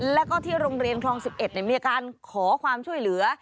แล้วก็ที่โรงเรียนคลอง๑๑มีอาการขอความช่วยเหลือ